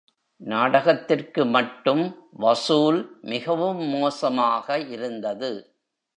நாடகத்திற்கு மட்டும் வசூல் மிகவும் மோசமாக இருந்தது.